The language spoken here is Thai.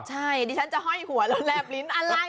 ใช่ดิฉันจะห้อยหัวแล้วแลบลิ้นอะไร